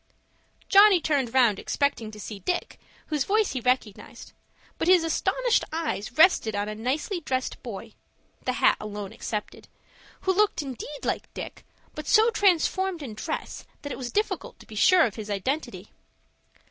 Johnny turned round expecting to see Dick, whose voice he recognized, but his astonished eyes rested on a nicely dressed boy (the hat alone excepted) who looked indeed like Dick, but so transformed in dress that it was difficult to be sure of his identity.